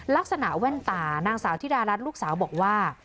ลักษณะแว่นตานางสาวที่ดารัฐลูกสาวบอกว่า